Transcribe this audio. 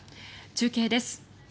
中継です。